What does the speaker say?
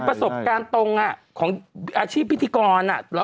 ประสบการณ์ตรงของอาชีพพิธีกร